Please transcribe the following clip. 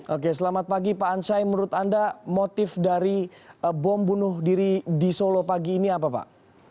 oke selamat pagi pak ansyai menurut anda motif dari bom bunuh diri di solo pagi ini apa pak